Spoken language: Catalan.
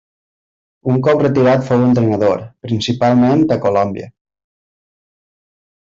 Un cop retirat fou entrenador, principalment a Colòmbia.